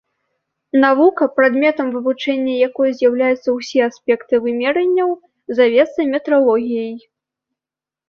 Навука, прадметам вывучэння якой з'яўляюцца ўсе аспекты вымярэнняў, завецца метралогіяй.